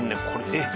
えっ！